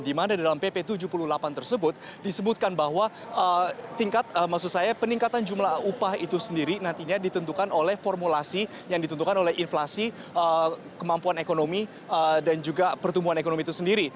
di mana dalam pp tujuh puluh delapan tersebut disebutkan bahwa tingkat maksud saya peningkatan jumlah upah itu sendiri nantinya ditentukan oleh formulasi yang ditentukan oleh inflasi kemampuan ekonomi dan juga pertumbuhan ekonomi itu sendiri